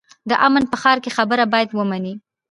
د امن په ښار کې خبره باید ومنې.